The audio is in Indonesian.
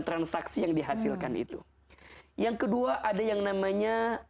transaksi yang dihasilkan itu yang kedua ada yang namanya